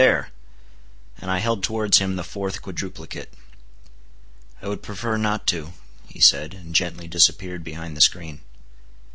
There"—and I held towards him the fourth quadruplicate. "I would prefer not to," he said, and gently disappeared behind the screen.